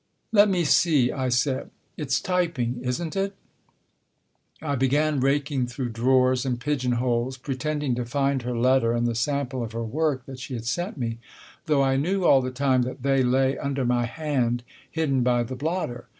" Let me see," I said, " it's typing, isn't it ?" I began raking through drawers and pigeon holes, pre tending to find her letter and the sample of her work that she had sent me, though I knew all the time that they lay under my hand hidden by the blotter.